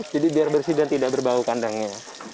jadi biar bersih dan tidak berbau kandangnya